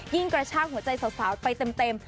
กระชากหัวใจสาวไปเต็ม